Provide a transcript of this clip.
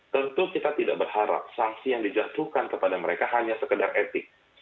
tentu kita tidak berharap sanksi yang dijatuhkan kepada mereka hanya sekedar etik